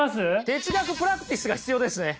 哲学プラクティスが必要ですね！